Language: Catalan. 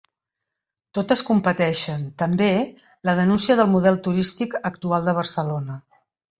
Totes compateixen, també, la denúncia del model turístic actual de Barcelona.